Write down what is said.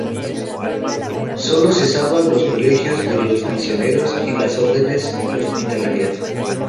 Sólo se salvan los colegios de misioneros y las órdenes hospitalarias.